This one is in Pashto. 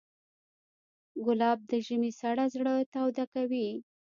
ګلاب د ژمي سړه زړه تاوده کوي.